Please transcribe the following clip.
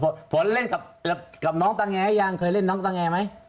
ได้ฝนเล่นกับน้องตางแยร่อย่างเคยเล่นน้องตางแยร่ไหม